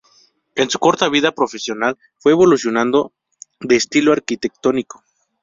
En su corta vida profesional fue evolucionando de estilo arquitectónico.